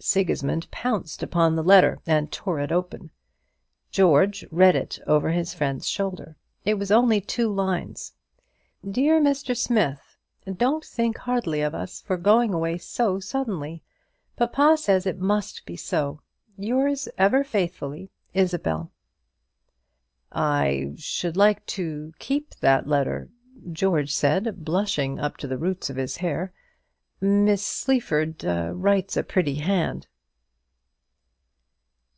Sigismund pounced upon the letter, and tore it open. George read it over his friend's shoulder. It was only two lines. "DEAR MR. SMITH, Don't think hardly of us for going away so suddenly. Papa says it must be so. "Yours ever faithfully, "ISABEL." "I should like to keep that letter," George said, blushing up to the roots of his hair. "Miss Sleaford writes a pretty hand."